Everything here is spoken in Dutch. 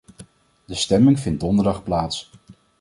De stemming vindt donderdag plaats.